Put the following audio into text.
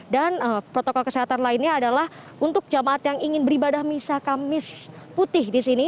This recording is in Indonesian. dan protokol kesehatan lainnya adalah untuk jamaat yang ingin beribadah misa kamis putih di sini